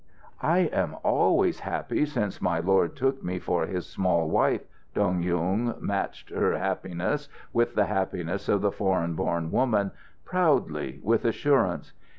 "I am always happy since my lord took me for his small wife." Dong Yung matched her happiness with the happiness of the foreign born woman, proudly, with assurance.